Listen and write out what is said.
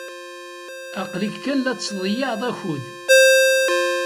Aql-ik kan la tettḍeyyiɛed akud.